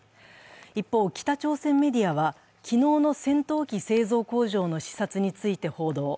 一方、北朝鮮メディアは、昨日の戦闘機製造工場の視察について報道。